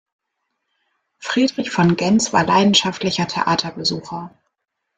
Friedrich von Gentz war leidenschaftlicher Theaterbesucher.